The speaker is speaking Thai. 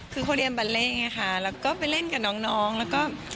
คือเขาเรียนบาเล่ไงค่ะแล้วก็ไปเล่นกับน้องแล้วก็